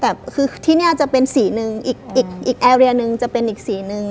แต่คือที่นี่จะเป็นสีหนึ่งอีกอีกแอร์เรียหนึ่งจะเป็นอีกสีหนึ่ง